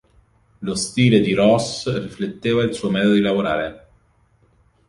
Lo stile di Roos rifletteva il suo metodo di lavorare.